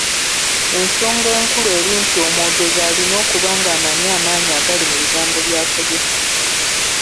Ensonga enkulu eri nti omwogezi alina okuba ng’amanyi amaanyi agali mu bigambo by’akozesa.